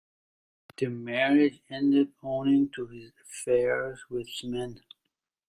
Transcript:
Their marriage ended, owing to his affairs with men.